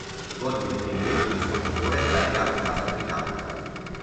Gode del privilegio di fornitore della Real Casa Britannica.